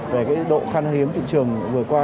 về cái độ khăn hiếm thị trường vừa qua